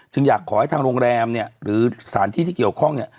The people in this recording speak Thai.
อยากขอให้ทางโรงแรมเนี่ยหรือสถานที่ที่เกี่ยวข้องเนี่ย